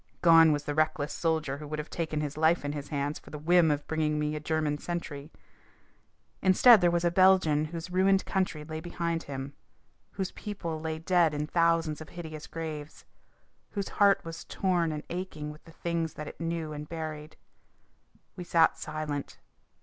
Gone was the reckless soldier who would have taken his life in his hands for the whim of bringing in a German sentry. Instead there was a Belgian whose ruined country lay behind him, whose people lay dead in thousands of hideous graves, whose heart was torn and aching with the things that it knew and buried. We sat silent.